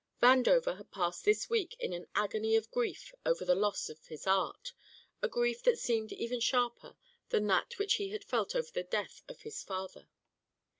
Vandover had passed this week in an agony of grief over the loss of his art, a grief that seemed even sharper than that which he had felt over the death of his father.